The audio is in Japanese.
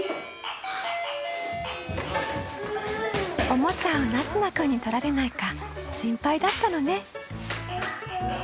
おもちゃを凪維君に取られないか心配だったのね。